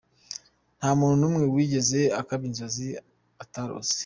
Nta muntu n’umwe wigeze akabya inzozi atarose.